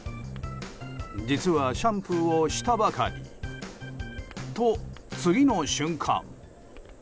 実はシャンプーをしたばかり。と、次の瞬間。